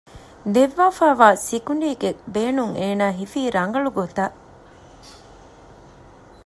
ދެއްވާފައިވާ ސިކުނޑީގެ ބޭނުން އޭނާ ހިފީ ރަނގަޅު ގޮތަށް